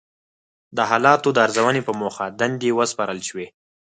د حالاتو د ارزونې په موخه دندې وسپارل شوې.